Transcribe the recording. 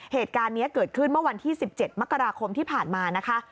เหตุการณ์นี้เกิดขึ้นเมื่อวันที่๑๗มกราคมที่ผ่านมานะคะ